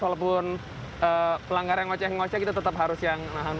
walaupun pelanggar yang ngoceh ngoceh kita tetap harus yang nahan